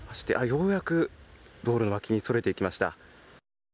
ようやく道路の脇にそれていきました。